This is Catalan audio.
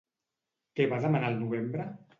Què va demanar al novembre?